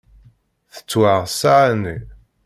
Tettwaɣ ssaεa-nni.